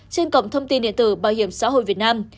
trên cổng thông tin điện tử bảo hiểm xã hội việt nam